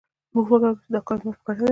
موږ فکر وکړ چې دا کار زموږ په ګټه دی